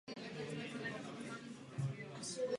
Na svém toku vytváří četné peřeje a vodopády.